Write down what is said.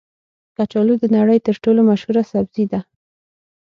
کچالو د نړۍ تر ټولو مشهوره سبزي ده